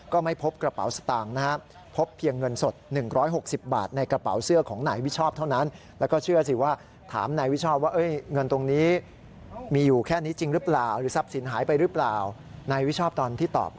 ก็ไม่พบกระเป๋าสตางค์นะครับพบเพียงเงินสด๑๖๐บาทในกระเป๋าเสื้อของนายวิชอบเท่านั้น